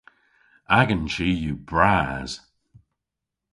Agan chi yw bras!